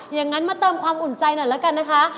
อย่างนั้นมาเติมความอุ่นใจหน่อยแล้วกันนะคะ